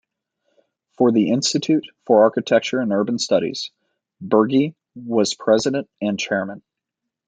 For the Institute for Architecture and Urban Studies, Burgee was president and chairman.